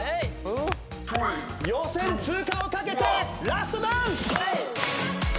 予選通過を懸けてラストダンス！